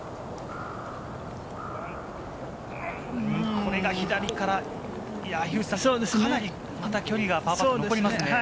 これが左から、かなり距離がパーパット残りますね。